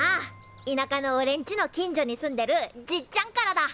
いなかのおれんちの近所に住んでるじっちゃんからだ。